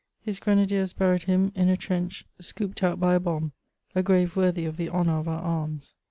His grenadiers buried him iu a trench scooped out by a bomb ; a grave worthy of the honour of oar arms